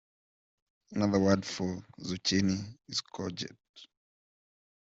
Another word for zucchini is courgette